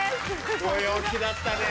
ご陽気だったねぇ。